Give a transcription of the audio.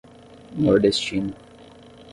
Nordestina